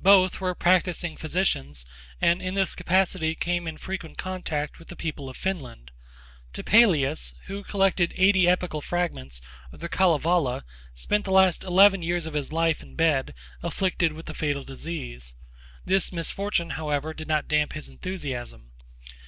Both were practising physicians, and in this capacity came into frequent contact with the people of Finland. Topelius, who collected eighty epical fragments of the Kalevala, spent the last eleven years of his life in bed, afflicted with a fatal disease. This misfortune, however, did not damp his enthusiasm.